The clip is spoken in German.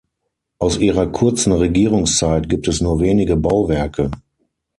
Aus ihrer kurzen Regierungszeit gibt es nur wenige Bauwerke.